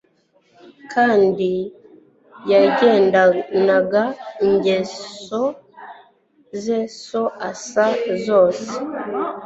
Kandi yagendanaga ingeso za se Asa zose